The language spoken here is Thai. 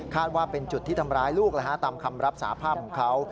ว่าเป็นจุดที่ทำร้ายลูกตามคำรับสาภาพของเขา